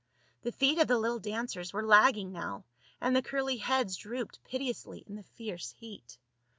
The feet of the little dancers were lagging now, and the curly heads drooped piteously in the fierce heat.